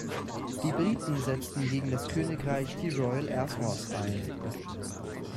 Die Briten setzten gegen das Königreich die Royal Air Force ein.